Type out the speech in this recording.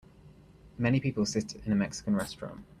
Many people sit in a Mexican restaurant.